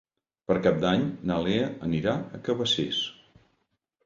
Per Cap d'Any na Lea anirà a Cabacés.